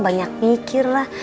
banyak pikir lah